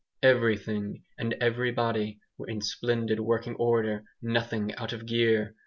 Everything and everybody were in splendid working order, nothing out of gear.